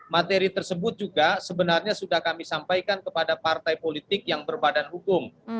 materi tersebut juga sebenarnya sudah kami sampaikan kepada partai politik yang berbadan hukum